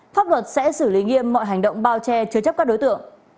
pháp luật sẽ xử lý nghiêm mọi hành động bao che chứa chấp các đối tượng